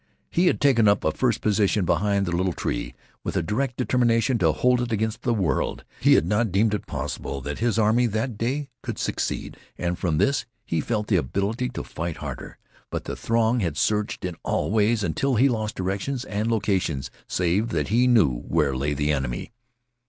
He had taken up a first position behind the little tree, with a direct determination to hold it against the world. He had not deemed it possible that his army could that day succeed, and from this he felt the ability to fight harder. But the throng had surged in all ways, until he lost directions and locations, save that he knew where lay the enemy.